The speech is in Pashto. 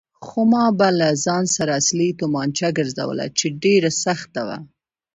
خو ما به له ځان سره اصلي تومانچه ګرځوله چې ډېره سخته وه.